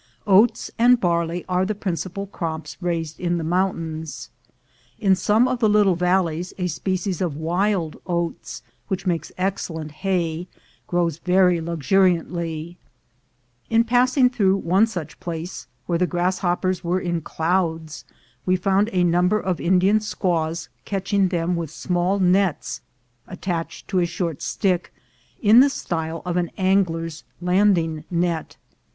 Oats and barley are the principal crops raised in the mountains. In some of the little valleys a species of wild oats, which makes excellent hay, grows very luxuriantly. In passing through one such place, where the grasshoppers were in clouds, we found a number of Indian squaws catching them with small nets attached to a short stick, in the style of an angler's landing net.